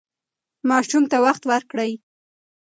ماشوم ته وخت ورکړئ.